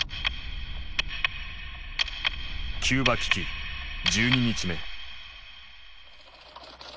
キューバ危機１２日目。